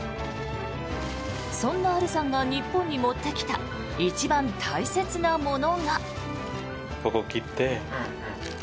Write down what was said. そんなアルさんが日本に持ってきた一番大切なものが。